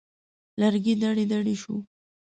لرګی دړې دړې شو.